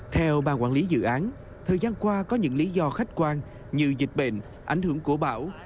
theo bà quản lý dự án thời gian qua có những lý do khách quan như dịch bệnh ảnh hưởng của bão